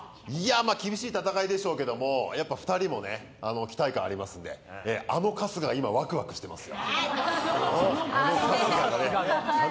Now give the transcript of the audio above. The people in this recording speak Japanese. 厳しい戦いでしょうけども、２人も期待感ありますんであの春日が今、ワクワクしてます。